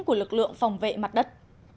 của lực lượng phòng vệ mặt đất